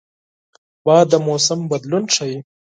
باد د موسم بدلون ښيي